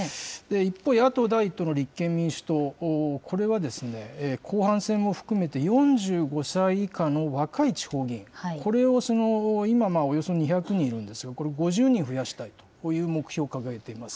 一方、野党第１党の立憲民主党、これはですね、後半戦も含めて、４５歳以下の若い地方議員、これを今、およそ２００人いるんですよ、これを５０人増やしたいという目標を掲げています。